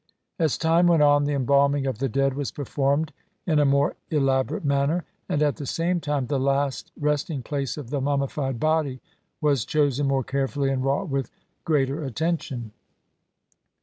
As time went on the embalming of the dead was performed in a more elaborate manner, and at the same time the last resting place of the mummified body was chosen more carefully and wrought with greater attention.